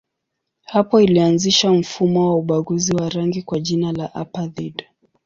Hapo ilianzisha mfumo wa ubaguzi wa rangi kwa jina la apartheid.